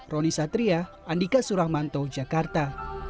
roni satria andika suramanto jakarta